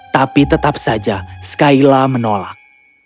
tapi tetap saja skyla menolak